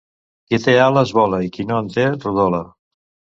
Qui té ales vola i qui no en té rodola.